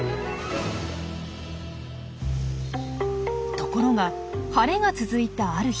ところが晴れが続いたある日。